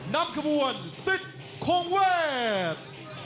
นำกระบวนสิทธิ์ของเวส